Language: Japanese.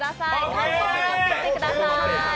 カップを持ってきてください。